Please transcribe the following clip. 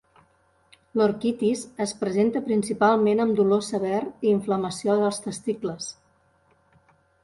L'orquitis es presenta principalment amb dolor sever i inflamació dels testicles.